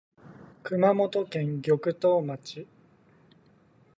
熊本県玉東町